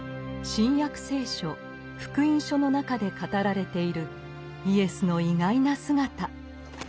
「新約聖書福音書」の中で語られているイエスの意外な姿。